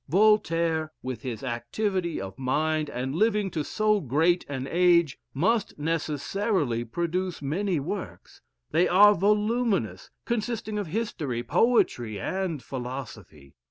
Voltaire, with his activity of mind, and living to so great an age, must necessarily produce many works. They are voluminous, consisting of history, poetry, and philosophy.